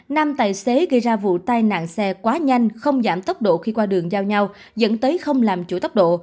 nam tài xế gây ra vụ tai nạn xe quá nhanh không giảm tốc độ khi qua đường giao nhau dẫn tới không làm chủ tốc độ